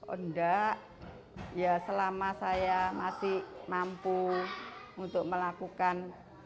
oh enggak ya selama saya masih mampu untuk melakukan